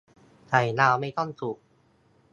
ไข่ดาวไม่ต้องสุก